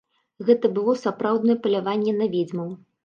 Гэта было сапраўднае паляванне на ведзьмаў.